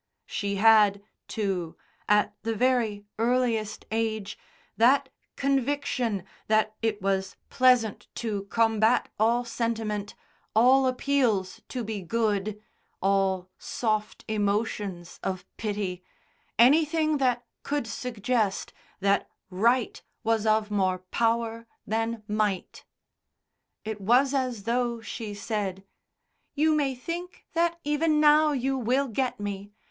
She had, too, at the very earliest age, that conviction that it was pleasant to combat all sentiment, all appeals to be "good," all soft emotions of pity, anything that could suggest that Right was of more power than Might. It was as though she said, "You may think that even now you will get me.